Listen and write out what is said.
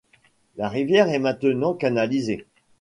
La rivière est maintenant canalisée.